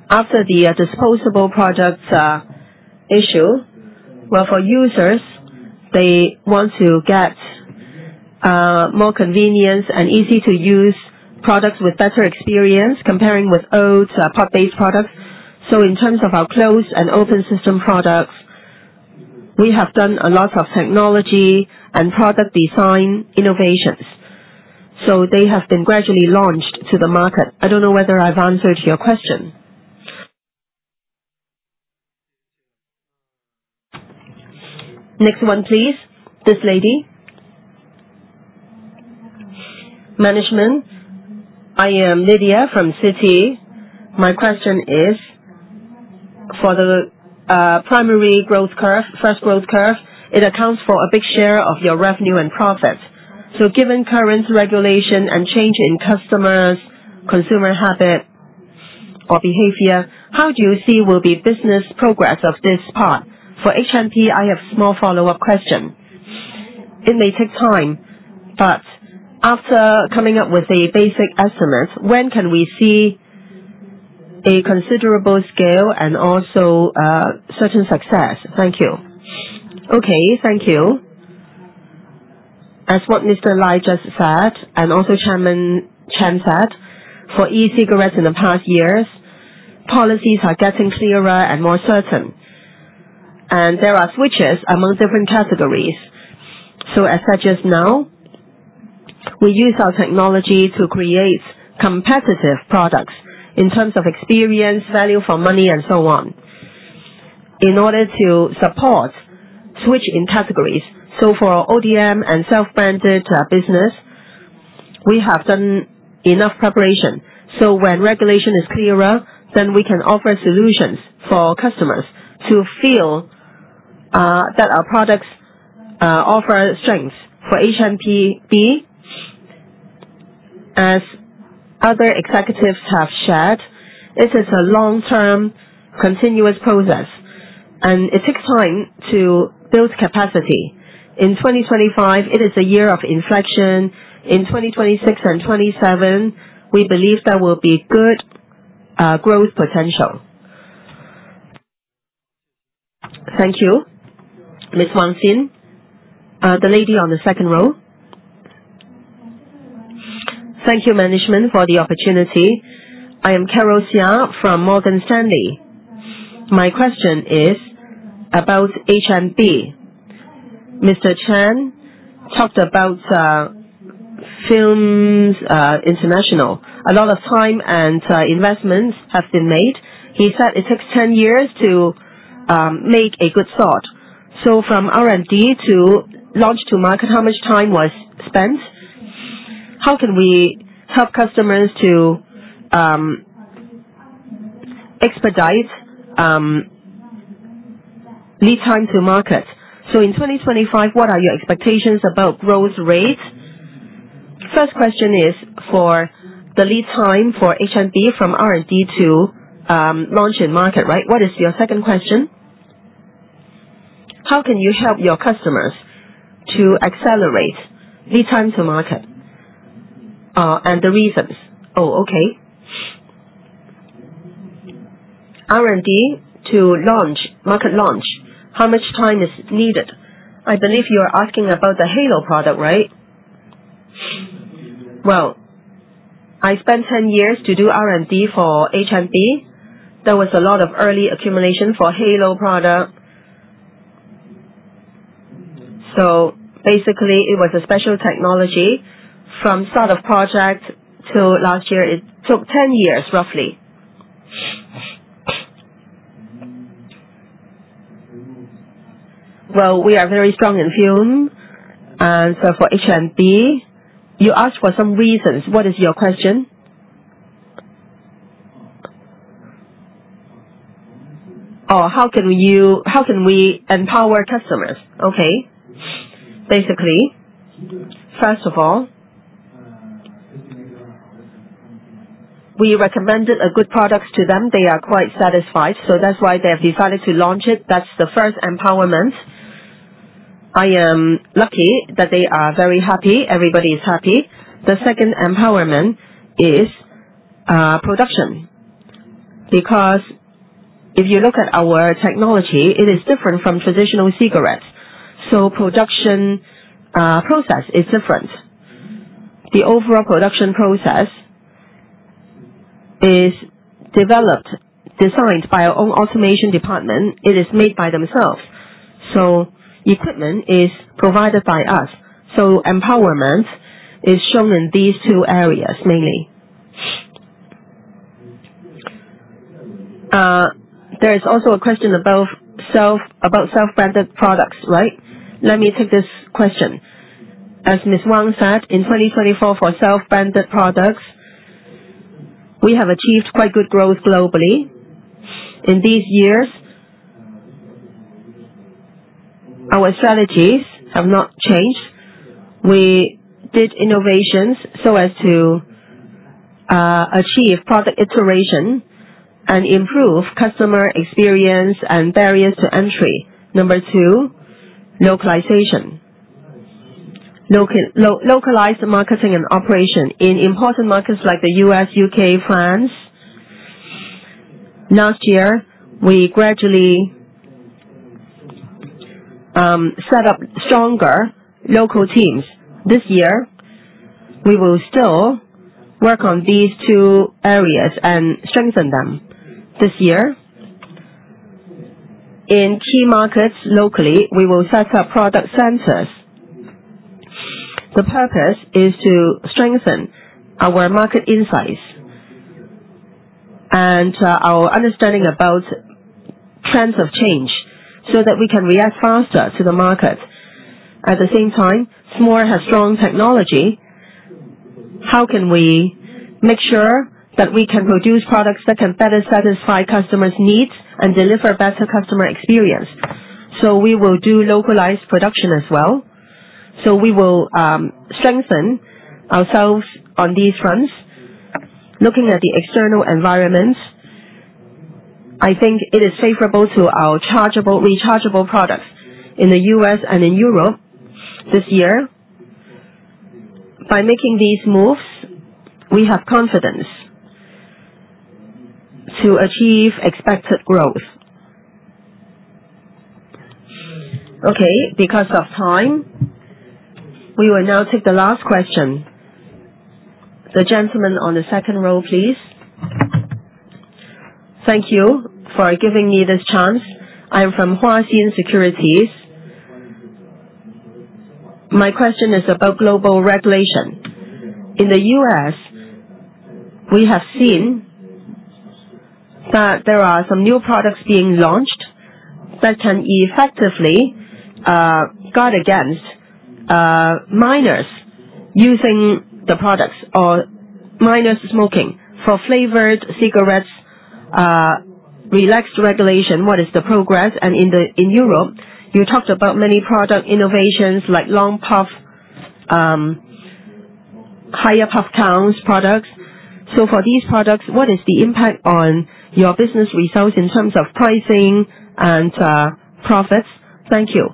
After the disposable products issue, for users, they want to get more convenience and easy-to-use products with better experience comparing with old hot-based products. In terms of our closed and open system products, we have done a lot of technology and product design innovations. They have been gradually launched to the market. I don't know whether I've answered your question. Next one, please. This lady. Management. I am Lydia from CT.My question is, for the primary growth curve, first growth curve, it accounts for a big share of your revenue and profit. Given current regulation and change in customers, consumer habit, or behavior, how do you see will be business progress of this part? For HNB, I have a small follow-up question. It may take time, but after coming up with a basic estimate, when can we see a considerable scale and also certain success? Thank you. Thank you. As what Mr. Lai just said and also Chairman Chen said, for e-cigarettes in the past years, policies are getting clearer and more certain. There are switches among different categories. As such as now, we use our technology to create competitive products in terms of experience, value for money, and so on in order to support switch in categories. For ODM and self-branded business, we have done enough preparation. When regulation is clearer, then we can offer solutions for customers to feel that our products offer strength. For HNB, as other executives have shared, it is a long-term continuous process. It takes time to build capacity. In 2025, it is a year of inflection. In 2026 and 2027, we believe there will be good growth potential. Thank you. Ms. Wang Xin, the lady on the second row. Thank you, management, for the opportunity. I am Carol Xia from Morgan Stanley. My question is about HNB. Mr. Chen talked about Films International. A lot of time and investments have been made. He said it took 10 years to make a good start. From R&D to launch to market, how much time was spent? How can we help customers to expedite lead time to market? In 2025, what are your expectations about growth rate? First question is for the lead time for H&P from R&D to launch in market, right? What is your second question? How can you help your customers to accelerate lead time to market and the reasons? Oh, okay. R&D to market launch, how much time is needed? I believe you are asking about the Halo product, right? I spent 10 years to do R&D for H&P. There was a lot of early accumulation for Halo product. Basically, it was a special technology. From start of project to last year, it took 10 years, roughly. We are very strong in film. For HNB, you asked for some reasons. What is your question? Or how can we empower customers? Basically, first of all, we recommended good products to them. They are quite satisfied. That is why they have decided to launch it. That is the first empowerment. I am lucky that they are very happy. Everybody is happy. The second empowerment is production because if you look at our technology, it is different from traditional cigarettes. The production process is different. The overall production process is designed by our own automation department. It is made by themselves. Equipment is provided by us. Empowerment is shown in these two areas mainly. There is also a question about self-branded products, right? Let me take this question. As Ms. Wang said, in 2024, for self-branded products, we have achieved quite good growth globally. In these years, our strategies have not changed. We did innovations so as to achieve product iteration and improve customer experience and barriers to entry. Number two, localization. Localized marketing and operation in important markets like the US, U.K., France. Last year, we gradually set up stronger local teams. This year, we will still work on these two areas and strengthen them. This year, in key markets locally, we will set up product centers. The purpose is to strengthen our market insights and our understanding about trends of change so that we can react faster to the market. At the same time, Smoore has strong technology. How can we make sure that we can produce products that can better satisfy customers' needs and deliver better customer experience? We will do localized production as well. We will strengthen ourselves on these fronts. Looking at the external environments, I think it is favorable to our rechargeable products in the US and in Europe this year. By making these moves, we have confidence to achieve expected growth. Okay. Because of time, we will now take the last question. The gentleman on the second row, please. Thank you for giving me this chance. I am from Huatai Securities. My question is about global regulation. In the US, we have seen that there are some new products being launched that can effectively guard against minors using the products or minors smoking for flavored cigarettes. Relaxed regulation. What is the progress? In Europe, you talked about many product innovations like long puff, higher puff count products. For these products, what is the impact on your business results in terms of pricing and profits? Thank you.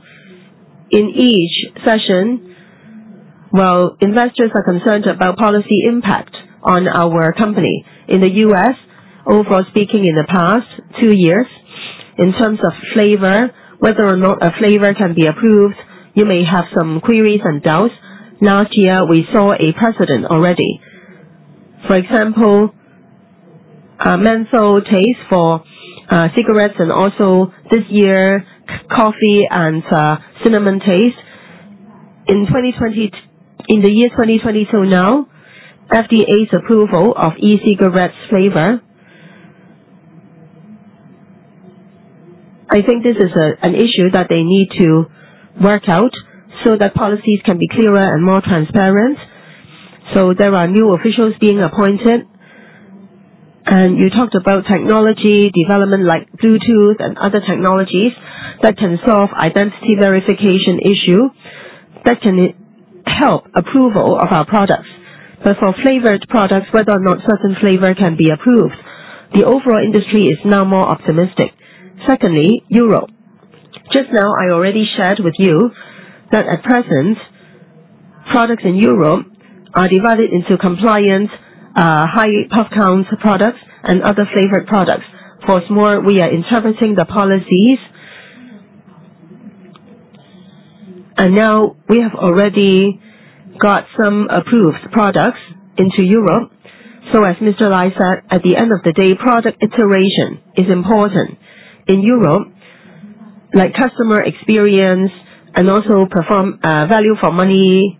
In each session, investors are concerned about policy impact on our company. In the US, overall speaking, in the past two years, in terms of flavor, whether or not a flavor can be approved, you may have some queries and doubts. Last year, we saw a precedent already. For example, menthol taste for cigarettes and also this year, coffee and cinnamon taste. In the year 2022 now, FDA's approval of e-cigarettes flavor. I think this is an issue that they need to work out so that policies can be clearer and more transparent. There are new officials being appointed. You talked about technology development like Bluetooth and other technologies that can solve identity verification issues that can help approval of our products. For flavored products, whether or not certain flavor can be approved, the overall industry is now more optimistic. Secondly, Europe. Just now, I already shared with you that at present, products in Europe are divided into compliance, high puff count products, and other flavored products. For small, we are interpreting the policies. We have already got some approved products into Europe. As Mr. Lai said, at the end of the day, product iteration is important. In Europe, like customer experience and also value for money,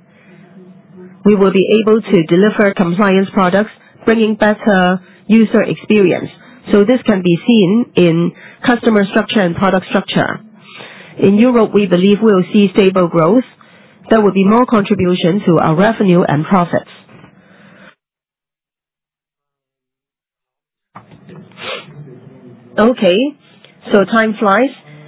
we will be able to deliver compliance products, bringing better user experience. This can be seen in customer structure and product structure. In Europe, we believe we'll see stable growth. There will be more contribution to our revenue and profits. Time flies.